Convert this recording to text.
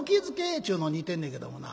っちゅうのに行ってんねんけどもな。